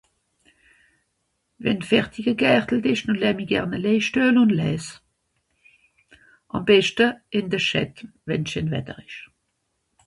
Wenn (...) ìsch nun lèj mi gern e Lèjstuel ùn lèès. Àm beschte ìn de (...), wenn scheen Wetter ìsch.